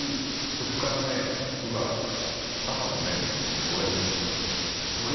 そこからね、僕は母の目を盗んで５円盗んだんです。